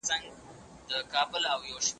که مطالعه دوام کړې وای نو ذهن به نه تنګېدی.